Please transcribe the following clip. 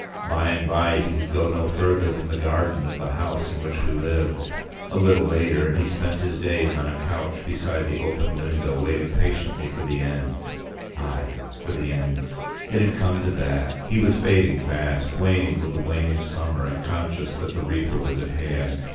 By and by he could go no further than the garden of the house in which we lived. A little later, and he spent his days on a couch beside the open window, waiting patiently for the end. Ay, for the end! It had come to that. He was fading fast, waning with the waning summer, and conscious that the Reaper was at hand.